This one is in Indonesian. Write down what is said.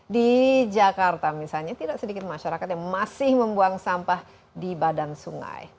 di jakarta misalnya tidak sedikit masyarakat yang masih membuang sampah di badan sungai